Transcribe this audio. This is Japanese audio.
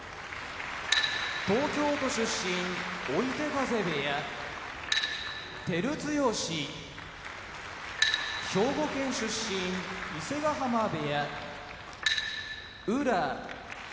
東京都出身追手風部屋照強兵庫県出身伊勢ヶ濱部屋宇良